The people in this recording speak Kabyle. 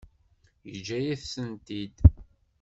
Yeǧǧa-yas-tent-id?